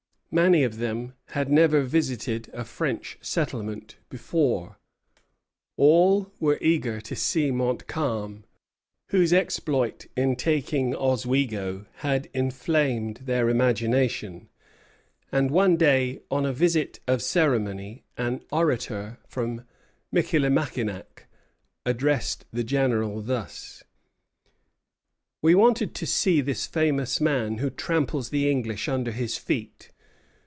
Many of them had never visited a French settlement before. All were eager to see Montcalm, whose exploit in taking Oswego had inflamed their imagination; and one day, on a visit of ceremony, an orator from Michillimackinac addressed the General thus: "We wanted to see this famous man who tramples the English under his feet.